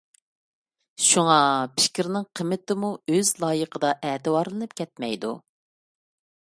شۇڭا، پىكىرنىڭ قىممىتىمۇ ئۆز لايىقىدا ئەتىۋارلىنىپ كەتمەيدۇ.